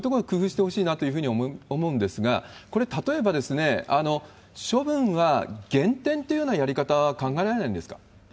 そういうところは工夫してほしいなというふうに思うんですが、これ、例えば処分は減点というようなやり方は考えられないんですか？